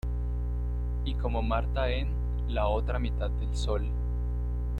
Y Como Martha en "La otra mitad del sol".